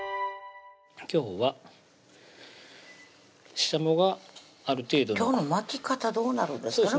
今日はししゃもがある程度の今日の巻き方どうなるんですかね